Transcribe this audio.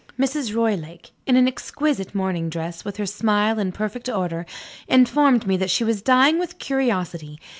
Mrs. Roylake in an exquisite morning dress; with her smile in perfect order informed me that she was dying with curiosity.